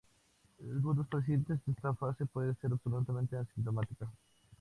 En algunos pacientes, esta fase puede ser absolutamente asintomática.